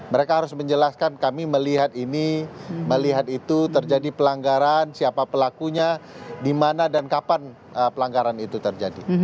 mereka harus menjelaskan kami melihat ini melihat itu terjadi pelanggaran siapa pelakunya di mana dan kapan pelanggaran itu terjadi